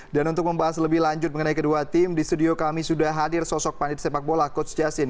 dan untuk membahas lebih lanjut mengenai kedua tim di studio kami sudah hadir sosok pandit sepak bola coach jasin